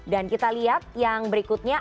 dan kita lihat yang berikutnya